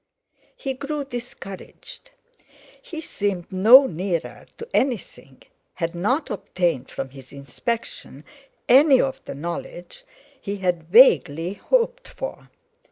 He grew discouraged; he seemed no nearer to anything, had not obtained from his inspection any of the knowledge he had vaguely hoped for.